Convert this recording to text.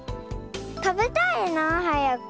たべたいなあはやく。